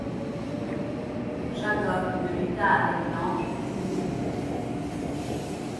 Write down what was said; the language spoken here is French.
Jacob ne lutta avec l'ange qu'une nuit.